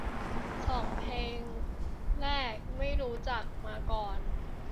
สองเพลงแรกไม่รู้จักมาก่อน